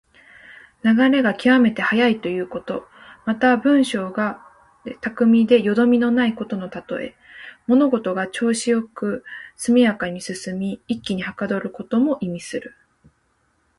流れが極めて速いということ。また、文章や弁舌が巧みでよどみのないことのたとえ。物事が調子良く速やかに進み、一気にはかどることも意味する。